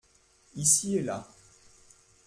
Ici et là.